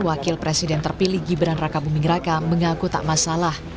wakil presiden terpilih gibran raka buming raka mengaku tak masalah